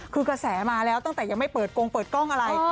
คือกระแสมาแล้วตั้งแต่ยังไม่เปิดกงเปิดกล้องอะไร